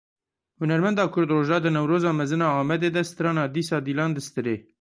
Hunermenda Kurd Rojda di Newroza mezin a Amedê de strana Dîsa dilan distirê.